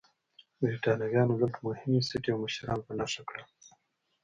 برېټانویانو دلته مهمې سټې او مشران په نښه کړل.